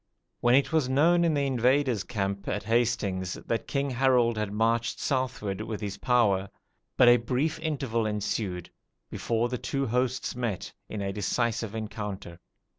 When it was known in the invaders' camp at Hastings that King Harold had marched southward with his power, but a brief interval ensued before the two hosts met in decisive encounter.